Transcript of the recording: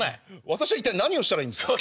私は一体何をしたらいいんですか？